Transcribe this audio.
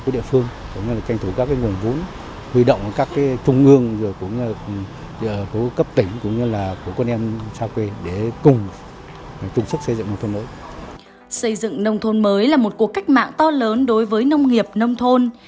xây dựng nông thôn mới là một cuộc cách mạng to lớn đối với nông nghiệp nông thôn